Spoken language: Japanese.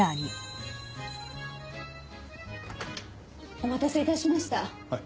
お待たせ致しました。